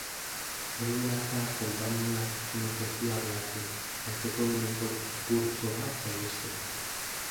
Hori dela eta, konpainiak finantziazioa behar du, hartzekodunen konkurtsoa saihesteko.